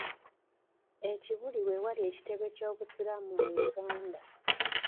E kibuli we wali ekitebe ky’Obusiraamu mu Uganda.